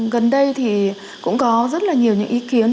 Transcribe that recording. gần đây thì cũng có rất là nhiều những ý kiến